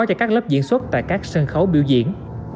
cho các lớp diễn xuất tại các sân khấu biểu diễn